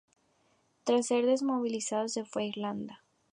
Tras ser desmovilizado, se fue a Irlanda.